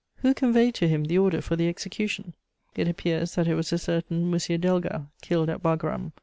Who conveyed to him the order for the execution? It appears that it was a certain M. Delga, killed at Wagram.